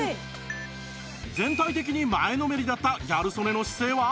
全体的に前のめりだったギャル曽根の姿勢は